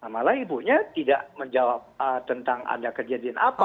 malah ibunya tidak menjawab tentang ada kejadian apa